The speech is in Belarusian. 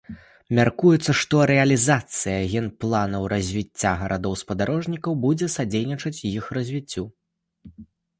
Мяркуецца, што рэалізацыя генпланаў развіцця гарадоў-спадарожнікаў будзе садзейнічаць іх развіццю.